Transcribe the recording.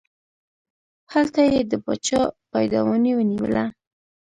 هلته یې د باچا پایدواني ونیوله.